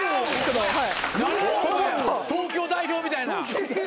東京代表みたいな。